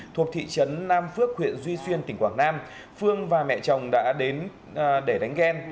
thuộc thị trấn nam phước huyện duy xuyên tỉnh quảng nam phương và mẹ chồng đã đến để đánh ghen